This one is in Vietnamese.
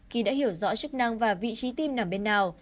khi đã hiểu rõ chức năng và vị trí tim nằm bên nào